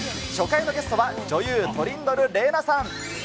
初回のゲストは女優、トリンドル玲奈さん。